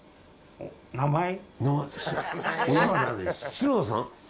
島田さん？